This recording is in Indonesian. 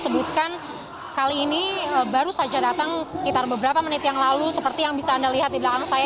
sebutkan kali ini baru saja datang sekitar beberapa menit yang lalu seperti yang bisa anda lihat di belakang saya